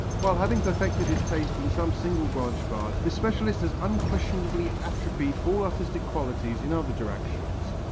While having perfected his taste in some single branch of art, the specialist has unquestionably atrophied all artistic qualities in other directions.